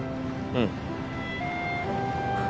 うん。